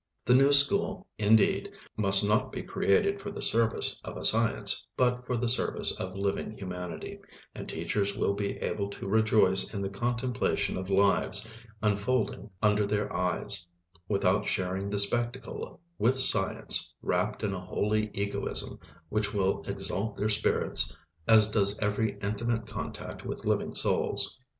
The new school, indeed, must not be created for the service of a science, but for the service of living humanity; and teachers will be able to rejoice in the contemplation of lives unfolding under their eyes, without sharing the spectacle with science, wrapped in a holy egoism which will exalt their spirits as does every intimate contact with living souls.